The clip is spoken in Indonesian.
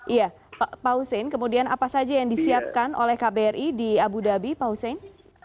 iya pak hussein kemudian apa saja yang disiapkan oleh kbri di abu dhabi pak hussein